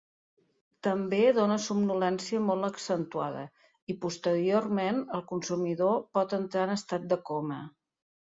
També dóna somnolència molt accentuada i, posteriorment, el consumidor pot entrar en estat de coma.